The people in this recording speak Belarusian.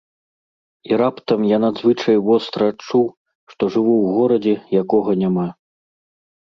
І раптам я надзвычай востра адчуў, што жыву ў горадзе, якога няма.